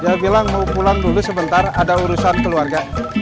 dia bilang mau pulang dulu sebentar ada urusan keluarga